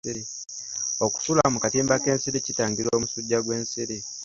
Okusula mu katimba k'ensiri kitangira omusujja gw'ensiri.